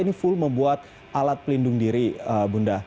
ini full membuat alat pelindung diri bunda